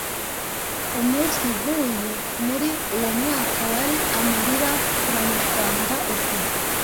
Umunsi nk’uyu muri uwo mwaka wari amarira ku banyarwanda ubwo